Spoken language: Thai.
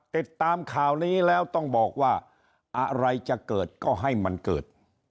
ติดตามข่าวนี้แล้วต้องบอกว่าอะไรจะเกิดก็ให้มันเกิด